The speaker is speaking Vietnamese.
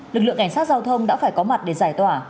lực lượng cảnh sát giao thông đã phải có mặt để giải tỏa